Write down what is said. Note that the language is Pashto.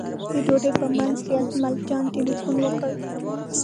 د ډوډۍ په منځ کې اجمل جان تیلفون وکړ.